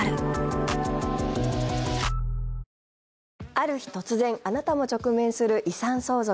ある日、突然あなたも直面する遺産相続。